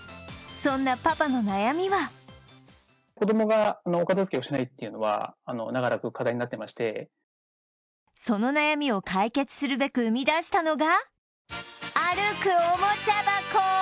そんなパパの悩みはその悩みを解決するべく生み出したのが、歩くおもちゃ箱。